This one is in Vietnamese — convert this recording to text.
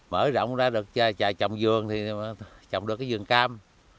mở rộng ra được trồng dường thì trồng được cái dường cam